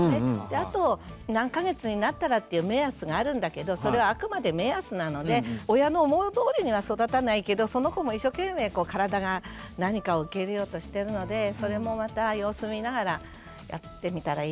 あと何か月になったらっていう目安があるんだけどそれはあくまで目安なので親の思うとおりには育たないけどその子も一生懸命体が何かを受け入れようとしてるのでそれもまた様子見ながらやってみたらいいなと思って聞いてました。